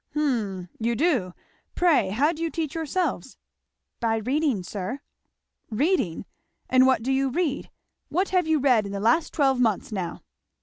"Hum! you do! Pray how do you teach yourselves?" "By reading, sir." "Reading! And what do you read? what have you read in the last twelve months, now?"